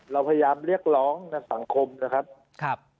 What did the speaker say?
เราพยายามเรียกร้องในสังคมนะครับ